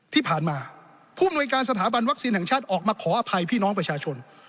ที่ผ่านมาผู้อำนวยการสถาบันวัคซีนแห่งชาติออกมาขออภัยพี่น้องประชาชน